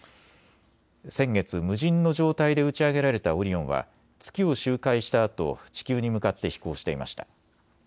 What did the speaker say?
先月、無人の状態で打ち上げられたオリオンは月を周回したあと地球に向かって飛行していました。